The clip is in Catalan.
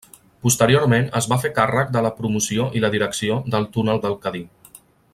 Posteriorment es va fer càrrec de la promoció i la direcció del Túnel del Cadí.